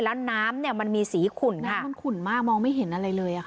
แล้วน้ำมันมีสีขุ่นน้ำมันขุ่นมากมองไม่เห็นอะไรเลย